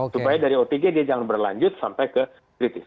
supaya dari otg dia jangan berlanjut sampai ke kritis